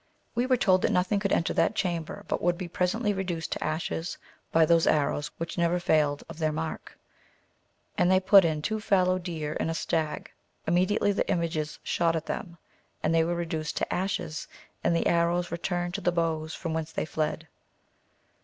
We were told that nothing could enter that chamber but would be presently ' reduced to ashes by those arrows which never failed of their mark ; and they put in two fallow deer and a stag, immediately the images shot at them and they were reduced to ashes, and the arrows returned to the bows from whence they fled.